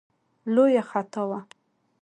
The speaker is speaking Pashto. لویه خطا وه.